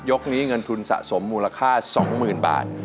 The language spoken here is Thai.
นี้เงินทุนสะสมมูลค่า๒๐๐๐บาท